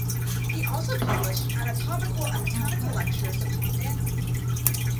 He also published Anatomical and mechanical lectures upon dancing.